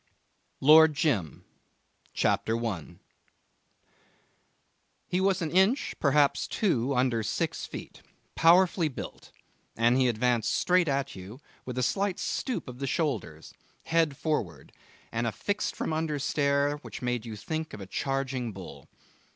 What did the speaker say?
LORD JIM CHAPTER 1 He was an inch, perhaps two, under six feet, powerfully built, and he advanced straight at you with a slight stoop of the shoulders, head forward, and a fixed from under stare which made you think of a charging bull.